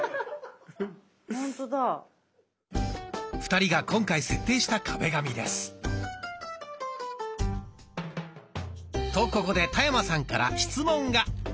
２人が今回設定した壁紙です。とここで田山さんから質問が。